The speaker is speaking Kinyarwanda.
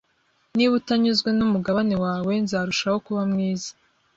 Niba utanyuzwe numugabane wawe, nzarushaho kuba mwiza.